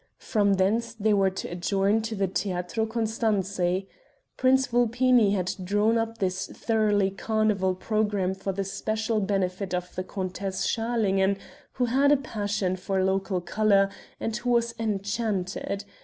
From thence they were to adjourn to the Teatro Costanzi. Prince Vulpini had drawn up this thoroughly carnival programme for the special benefit of the Countess Schalingen who had a passion for "local color," and who was enchanted.